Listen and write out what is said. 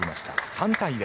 ３対０